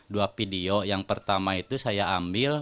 dua video yang pertama itu saya ambil